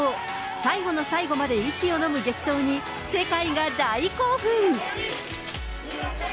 最後の最後まで息をのむ激闘に、世界が大興奮。